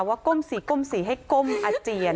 ว่าก้มสีให้ก้มอาเจียน